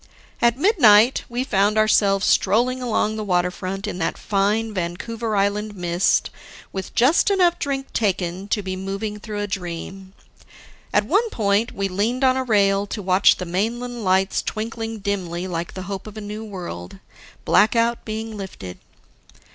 At midnight we found ourselves strolling along the waterfront in that fine, Vancouver Island mist, with just enough drink taken to be moving through a dream. At one point, we leaned on a rail to watch the mainland lights twinkling dimly like the hope of a new world blackout being lifted.